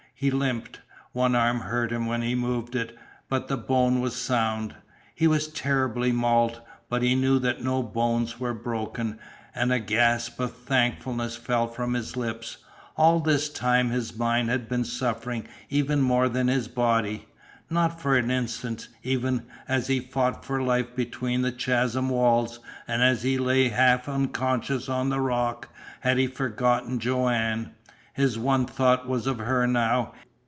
He limped. One arm hurt him when he moved it, but the bone was sound. He was terribly mauled, but he knew that no bones were broken, and a gasp of thankfulness fell from his lips. All this time his mind had been suffering even more than his body. Not for an instant, even as he fought for life between the chasm walls, and as he lay half unconscious on the rock, had he forgotten Joanne. His one thought was of her now.